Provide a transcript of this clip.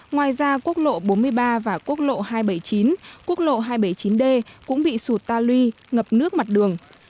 ngoài ra quốc lộ bốn mươi ba và quốc lộ hai trăm bảy mươi chín quốc lộ hai trăm bảy mươi chín d cũng bị sụt ta lui ngập nước mặt đường